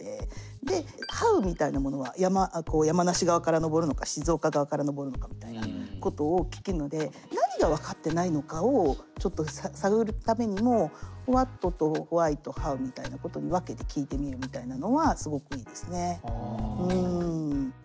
でＨｏｗみたいなものは山梨側から登るのか静岡側から登るのかみたいなことを聞けるので何が分かってないのかをちょっと探るためにもＷｈａｔとＷｈｙとＨｏｗみたいなことに分けて聞いてみるみたいなのはすごくいいですね。